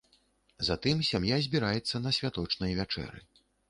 Затым сям'я збіраецца на святочнай вячэры.